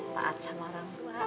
taat sama orang tua